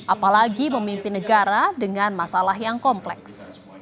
apalagi memimpin negara dengan masalah yang kompleks